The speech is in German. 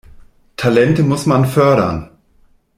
Talente muss man fördern.